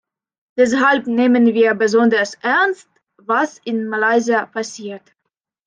Deshalb nehmen wir besonders ernst, was in Malaysia passiert.